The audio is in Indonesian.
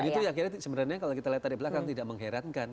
dan itu akhirnya sebenarnya kalau kita lihat dari belakang tidak mengherankan